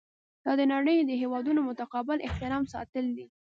دا د نړۍ د هیوادونو متقابل احترام ساتل دي.